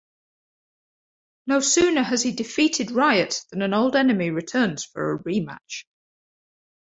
No sooner has he defeated Riot then an old enemy returns for a rematch.